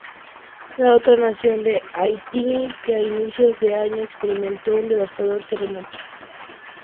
La otra nación es Haití, que a inicios de año experimentó un devastador terremoto.